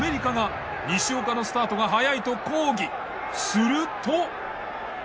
すると。